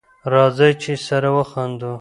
راځی چی سره وخاندو